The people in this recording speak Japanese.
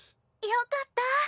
よかった。